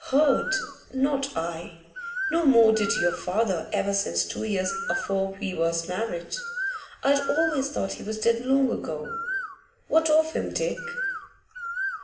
'Heard? Not I. No more did your father ever since two years afore we was married. I'd always thought he was dead long ago. What of him, Dick?